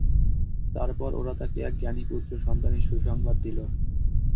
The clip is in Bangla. তারপর ওরা তাকে এক জ্ঞানী পুত্র সন্তানের সুসংবাদ দিল।